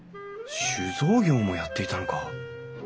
酒造業もやっていたのか！